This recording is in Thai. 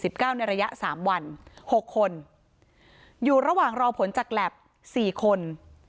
ในระยะสามวันหกคนอยู่ระหว่างรอผลจากแล็บสี่คน